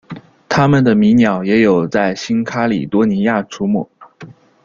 它们的迷鸟也有在新喀里多尼亚出没。